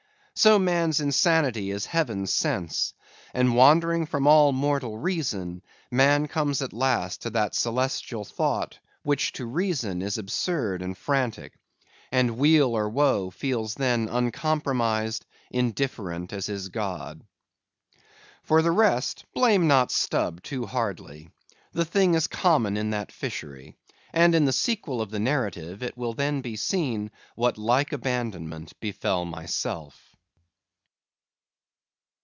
So man's insanity is heaven's sense; and wandering from all mortal reason, man comes at last to that celestial thought, which, to reason, is absurd and frantic; and weal or woe, feels then uncompromised, indifferent as his God. For the rest, blame not Stubb too hardly. The thing is common in that fishery; and in the sequel of the narrative, it will then be seen what like abandonment befell myself.